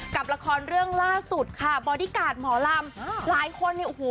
กับละครเรื่องล่าสุดค่ะบอดี้การ์ดหมอลำหลายคนเนี่ยโอ้โห